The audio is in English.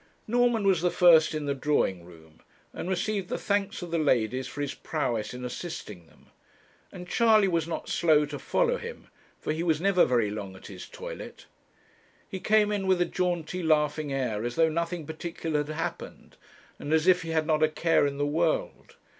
Norman was the first in the drawing room, and received the thanks of the ladies for his prowess in assisting them; and Charley was not slow to follow him, for he was never very long at his toilet. He came in with a jaunty laughing air, as though nothing particular had happened, and as if he had not a care in the world.